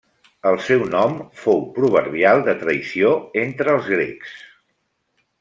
El seu nom fou proverbial de traïció entre els grecs.